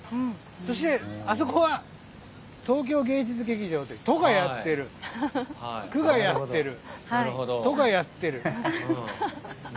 そして、あそこは東京芸術劇場で都がやっている、区がやっている。